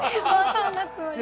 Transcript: そんなつもりじゃ。